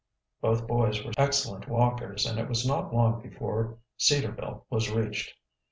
Both boys were excellent walkers and it was not long before Cedarville was reached.